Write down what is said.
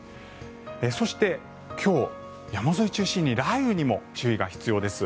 そして、今日、山沿いを中心に雷雨にも注意が必要です。